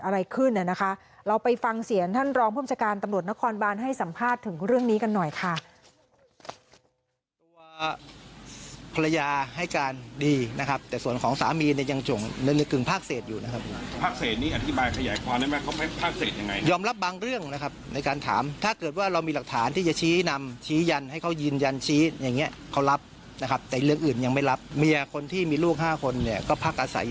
ว่าภรรยาให้การดีนะครับแต่ส่วนของสามีเนี่ยยังจงในกึ่งพากเศษอยู่นะครับพากเศษนี้อธิบายขยายความได้ไหมเขาให้พากเศษยังไงยอมรับบางเรื่องนะครับในการถามถ้าเกิดว่าเรามีหลักฐานที่จะชี้นำชี้ยันให้เขายืนยันชี้อย่างเงี้ยเขารับนะครับแต่เรื่องอื่นยังไม่รับเมียคนที่มีลูก๕คนเนี่ยก็พักอาศัย